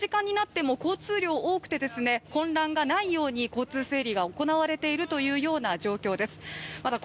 かなりこの時間になっても交通量多くてですね、混乱がないように交通整理が行われているというような状況です。